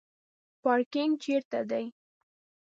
پارکینګ چیرته دی؟